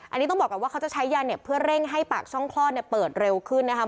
อันนี้ต้องบอกก่อนว่าเขาจะใช้ยาเห็บเพื่อเร่งให้ปากช่องคลอดเนี่ยเปิดเร็วขึ้นนะคะ